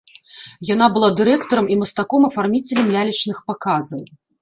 Яна была дырэктарам і мастаком-афарміцелем лялечных паказаў.